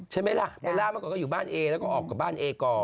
ใช่ไหมล่ะเบลล่าเมื่อก่อนก็อยู่บ้านเอแล้วก็ออกกับบ้านเอก่อน